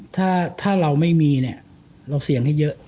ถ้าเราไม่มีเนี่ยเราเสี่ยงให้เยอะ